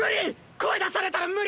声出されたら無理！